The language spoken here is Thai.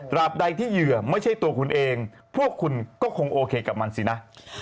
ใดที่เหยื่อไม่ใช่ตัวคุณเองพวกคุณก็คงโอเคกับมันสินะ